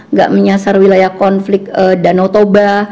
nggak menyasar wilayah konflik danau toba